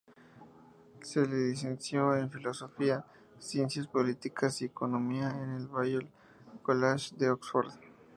Se licenció en Filosofía, Ciencias Políticas y Economía en el Balliol College de Oxford.